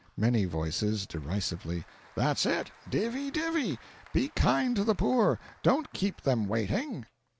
Many Voices (derisively.) "That's it! Divvy! divvy! Be kind to the poor don't keep them waiting!"